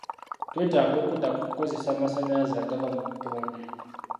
Twetaaga okudda ku kukozesa amasannyalaze agava mu butonde.